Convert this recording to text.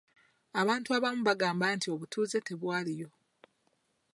Abantu abamu baagamba nti obutuuze tebwaliyo.